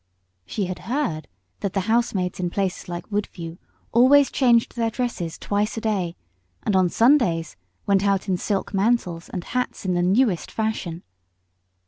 She had heard that the housemaids in places like Woodview always changed their dresses twice a day, and on Sundays went out in silk mantles and hats in the newest fashion.